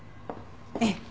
ええ。